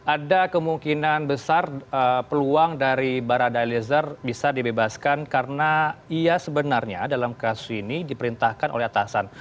ada kemungkinan besar peluang dari barada eliezer bisa dibebaskan karena ia sebenarnya dalam kasus ini diperintahkan oleh atasan